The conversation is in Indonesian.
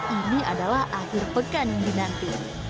ini adalah akhir pekan yang dinanti